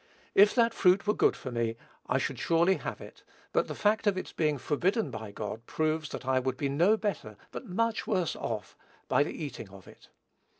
If that fruit were good for me, I should surely have it; but the fact of its being forbidden by God proves that I would be no better, but much worse off by the eating of it.